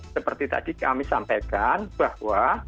seperti tadi kami sampaikan bahwa